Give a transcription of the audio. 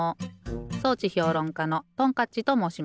装置評論家のトンカッチともうします。